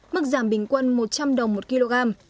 mức giảm bình quân một trăm linh đồng một kg